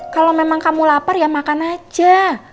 kalau memang kamu lapar ya makan aja